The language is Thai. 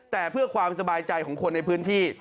แต่เพื่อความสบายใจของคนในพื้นที่